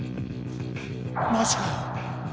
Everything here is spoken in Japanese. マジかよ。